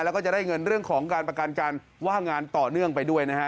แล้วก็จะได้เงินเรื่องของการประกันการว่างงานต่อเนื่องไปด้วยนะฮะ